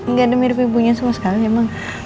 gak ada mirip ibunya sama sekali memang